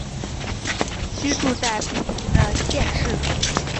居住在不同县市